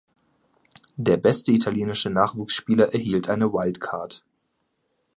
Der beste italienische Nachwuchsspieler erhielt eine Wildcard.